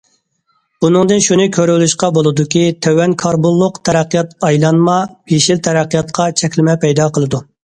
بۇنىڭدىن شۇنى كۆرۈۋېلىشقا بولىدۇكى، تۆۋەن كاربونلۇق تەرەققىيات ئايلانما، يېشىل تەرەققىياتقا چەكلىمە پەيدا قىلىدۇ.